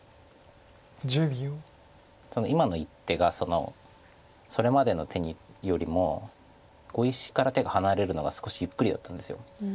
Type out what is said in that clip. その今の一手がそれまでの手よりも碁石から手が離れるのが少しゆっくりだったんです。